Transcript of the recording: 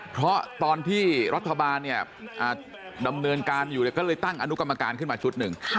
เพราะตอนที่รัฐบาลเนี่ยดำเนินการอยู่ก็เลยตั้งอนุกรรมการขึ้นมาชุดหนึ่ง